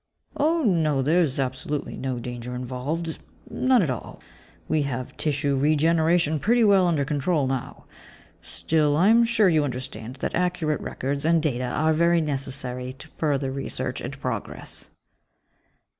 "Oh, no. There's absolutely no danger involved. None at all. We have tissue regeneration pretty well under control now. Still, I'm sure you understand that accurate records and data are very necessary to further research and progress."